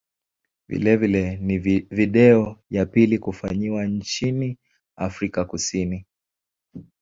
Vilevile ni video ya pili kufanyiwa nchini Afrika Kusini.